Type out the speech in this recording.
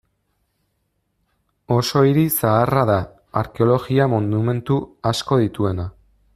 Oso hiri zaharra da, arkeologia-monumentu asko dituena.